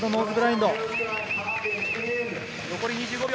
残り２５秒。